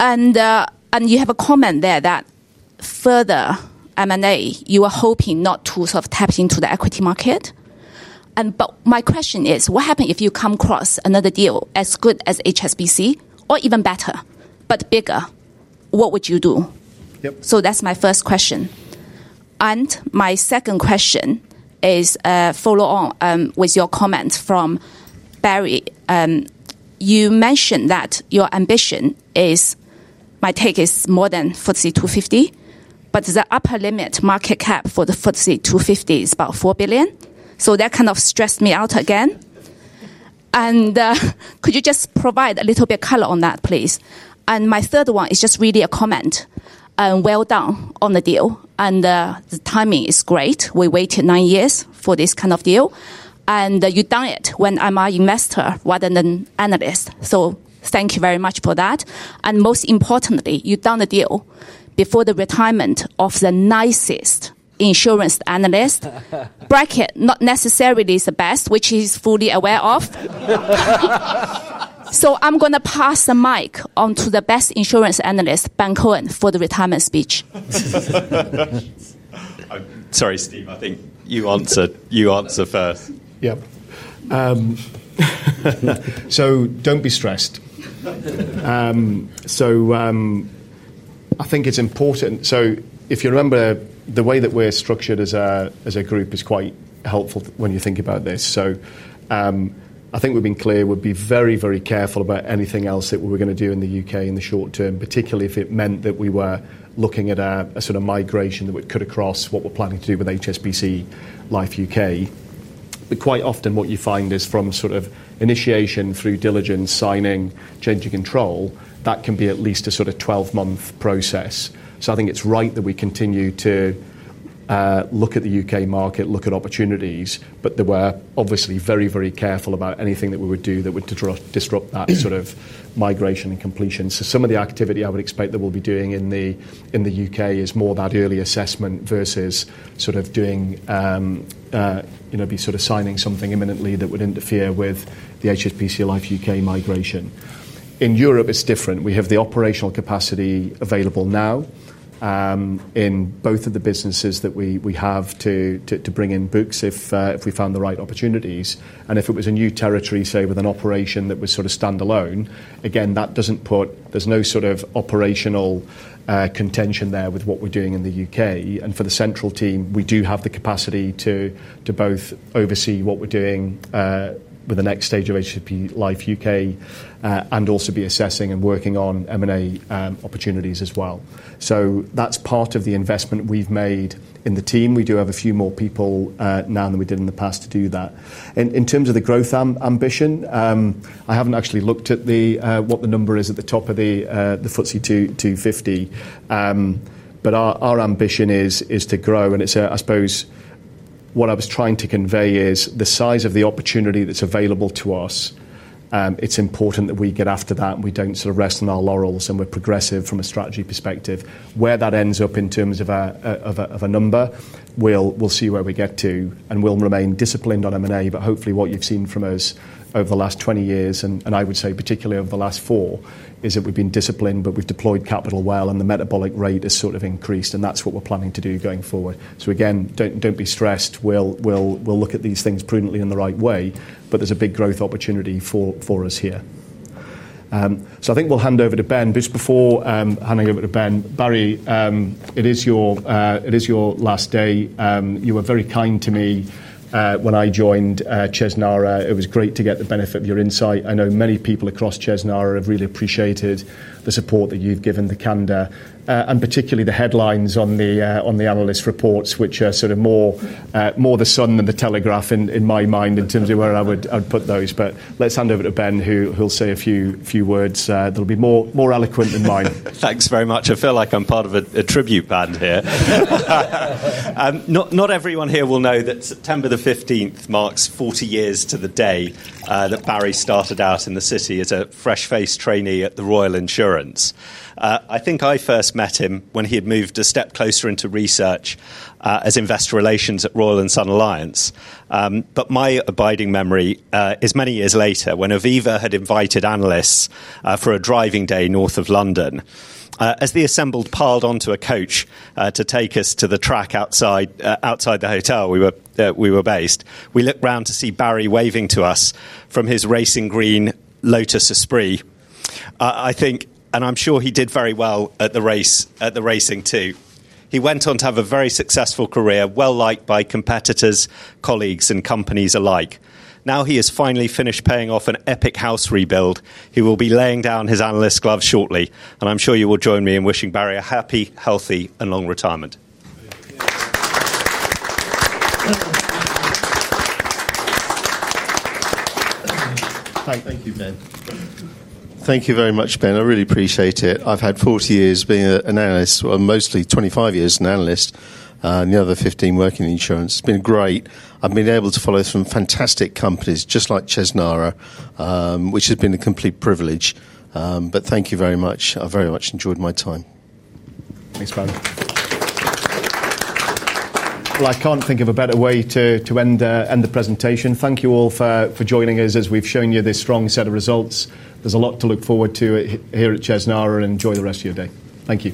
You have a comment there that further M&A, you were hoping not to sort of tap into the equity market. My question is, what happens if you come across another deal as good as HSBC or even better, but bigger? What would you do? That's my first question. My second question is a follow-on with your comment from Barry. You mentioned that your ambition is, my take is more than FTSE250, but the upper limit market cap for the FTSE250 is about £4 billion. That kind of stressed me out again. Could you just provide a little bit of color on that, please? My third one is just really a comment. Well done on the deal. The timing is great. We waited nine years for this kind of deal. You've done it when I'm an investor rather than an analyst. Thank you very much for that. Most importantly, you've done the deal before the retirement of the nicest insurance analyst, bracket not necessarily the best, which he's fully aware of. I'm going to pass the mic on to the best insurance analyst, Ben Cohen, for the retirement speech. Sorry, Steve, I think you answered first. Yeah. Don't be stressed. I think it's important. If you remember, the way that we're structured as a group is quite helpful when you think about this. I think we've been clear we'd be very, very careful about anything else that we were going to do in the U.K. in the short term, particularly if it meant that we were looking at a sort of migration that we could across what we're planning to do with HSBC Life U.K. Quite often, what you find is from initiation through diligence, signing, change of control, that can be at least a 12-month process. I think it's right that we continue to look at the U.K. market, look at opportunities, but that we're obviously very, very careful about anything that we would do that would disrupt that sort of migration and completion. Some of the activity I would expect that we'll be doing in the U.K. is more about early assessment versus doing, you know, signing something imminently that would interfere with the HSBC Life U.K. migration. In Europe, it's different. We have the operational capacity available now in both of the businesses that we have to bring in books if we found the right opportunities. If it was a new territory, say with an operation that was standalone, again, that doesn't put, there's no operational contention there with what we're doing in the U.K. For the central team, we do have the capacity to both oversee what we're doing with the next stage of HSBC Life UK and also be assessing and working on M&A opportunities as well. That's part of the investment we've made in the team. We do have a few more people now than we did in the past to do that. In terms of the growth ambition, I haven't actually looked at what the number is at the top of the FTSE 250, but our ambition is to grow. I suppose what I was trying to convey is the size of the opportunity that's available to us. It's important that we get after that and we don't rest on our laurels and we're progressive from a strategy perspective. Where that ends up in terms of a number, we'll see where we get to and we'll remain disciplined on M&A. Hopefully, what you've seen from us over the last 20 years, and I would say particularly over the last four, is that we've been disciplined, but we've deployed capital well and the metabolic rate has increased. That's what we're planning to do going forward. Again, don't be stressed. We'll look at these things prudently in the right way, but there's a big growth opportunity for us here. I think we'll hand over to Ben. Just before handing over to Ben, Barrie, it is your last day. You were very kind to me when I joined Chesnara. It was great to get the benefit of your insight. I know many people across Chesnara have really appreciated the support that you've given the company and particularly the headlines on the analyst reports, which are sort of more The Sun than The Telegraph in my mind in terms of where I would put those. Let's hand over to Ben, who'll say a few words that'll be more eloquent than mine. Thanks very much. I feel like I'm part of a tribute band here. Not everyone here will know that September 15 marks 40 years to the day that Barrie started out in the city as a fresh-faced trainee at the Royal Insurance. I think I first met him when he had moved a step closer into research as investor relations at Royal and Sun Alliance. My abiding memory is many years later when Aviva had invited analysts for a driving day north of London. As the assembled piled onto a coach to take us to the track outside the hotel we were based, we looked around to see Barrie waving to us from his racing green Lotus Esprit. I think, and I'm sure he did very well at the racing too. He went on to have a very successful career, well-liked by competitors, colleagues, and companies alike. Now he has finally finished paying off an epic house rebuild. He will be laying down his analyst glove shortly. I'm sure you will join me in wishing Barry a happy, healthy, and long retirement. Thank you very much, Ben. I really appreciate it. I've had 40 years being an analyst, or mostly 25 years as an analyst, and the other 15 working in insurance. It's been great. I've been able to follow some fantastic companies, just like Chesnara, which has been a complete privilege. Thank you very much. I very much enjoyed my time. Thanks, Ben. I can't think of a better way to end the presentation. Thank you all for joining us. As we've shown you this strong set of results, there's a lot to look forward to here at Chesnara, and enjoy the rest of your day. Thank you.